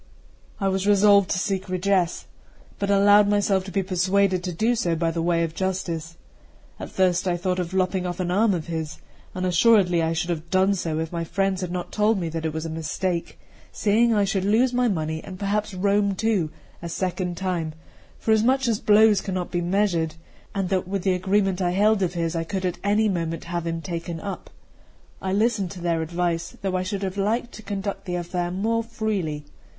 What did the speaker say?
I was resolved to seek redress, but allowed myself to be persuaded to do so by the way of justice. At first I thought of lopping off an arm of his; and assuredly I should have done so, if my friends had not told me that it was a mistake, seeing I should lose my money and perhaps Rome too a second time, forasmuch as blows cannot be measured, and that with the agreement I held of his I could at any moment have him taken up. I listened to their advice, though I should have liked to conduct the affair more freely.